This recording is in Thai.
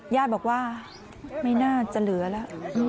ญาติบอกว่าไม่น่าจะเหลือแล้ว